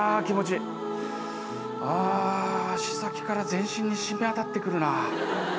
足先から全身に染み渡ってくるな。